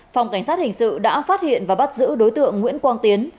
phòng cảnh sát hình sự đã phát hiện và bắt giữ đối tượng nguyễn quang tiến